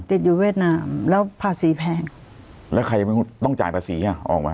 ติดอยู่เวียดนามแล้วภาษีแพงแล้วใครต้องจ่ายภาษีอ่ะออกมา